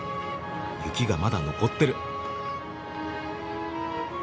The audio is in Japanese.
雪がまだ残ってる。